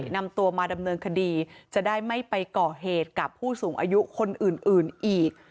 นำตัวมาดำเนินคดีจะได้ไม่ไปก่อเหตุกับผู้สูงอายุคนอื่นอีก